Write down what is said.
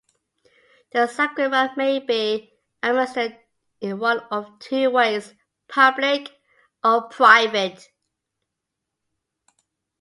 The sacrament may be administered in one of two ways: public or private.